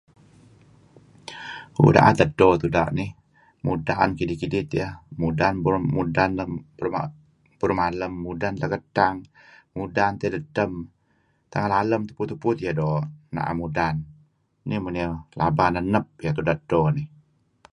Uu... da'et edto tuda' nih. Mudan kidih-kidih tieh. Mudan, ber... mudan berumalem, mudan tieh dedtem. Tangal alem tupu tieh doo' na'em mudan. Nih men ieh laba nenep lem tuda' edto nih.